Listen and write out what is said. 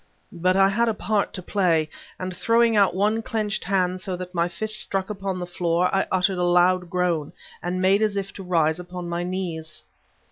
But I had a part to play, and throwing out one clenched hand so that my fist struck upon the floor, I uttered a loud groan, and made as if to rise upon my knees.